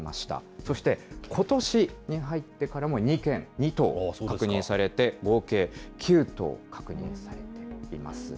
そして、ことしに入ってからも２頭確認されて、合計９頭確認されています。